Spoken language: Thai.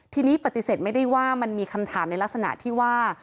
ทีนี้ปฏิเสธไม่ได้ว่ามันมีคำถามในลักษณะที่ว่า